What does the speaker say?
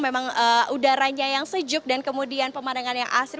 memang udaranya yang sejuk dan kemudian pemandangan yang asri